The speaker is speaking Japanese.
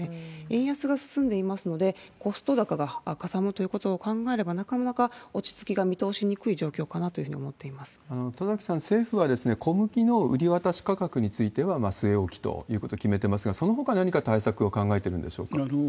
円安が進んでおりますので、コスト高がかさむということを考えれば、なかなか落ち着きが見通しにくい状況かなというふうに思っていま田崎さん、政府は小麦の売り渡し価格については据え置きということを決めてますが、そのほか何か対策を考えてるんでしょうか？